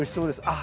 あ。